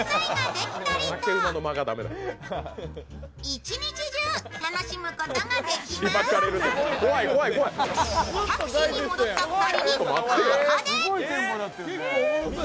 一日中楽しむことができます。